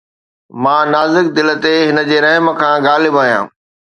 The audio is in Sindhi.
مان نازڪ دل تي هن جي رحم کان غالب آهيان